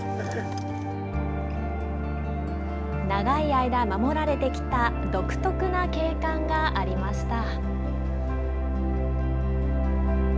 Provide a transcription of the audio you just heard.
長い間、守られてきた独特な景観がありました。